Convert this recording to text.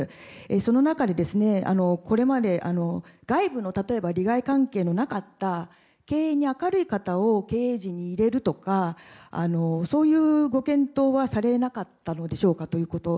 その中で、これまで外部の利害関係のなかった経営に明るい方を経営陣に入れるとかそういうご検討はされなかったのでしょうかということ。